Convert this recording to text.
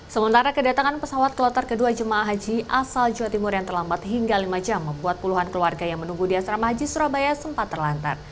sementara kedatangan pesawat kloter kedua jemaah haji asal jawa timur yang terlambat hingga lima jam membuat puluhan keluarga yang menunggu di asrama haji surabaya sempat terlantar